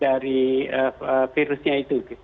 dari virusnya itu